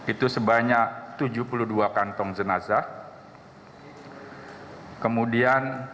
itu sebanyak tujuh puluh dua kantong jenazah kemudian